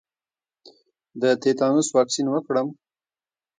د تیتانوس واکسین وکړم؟